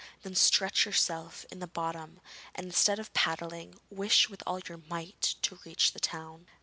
Then stretch yourself in the bottom, and, instead of paddling, wish with all your might to reach the town.'